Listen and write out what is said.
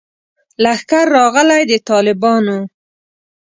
لښکر راغلی د طالبانو